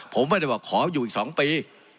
ผมไม่ได้บอกขออยู่อีก๒ปี